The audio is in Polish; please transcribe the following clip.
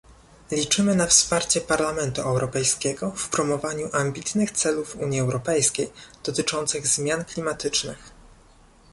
Liczymy na wsparcie Parlamentu Europejskiego w promowaniu ambitnych celów Unii Europejskiej dotyczących zmian klimatycznych